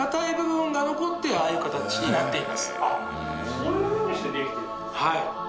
そういうふうにしてできてるんですか。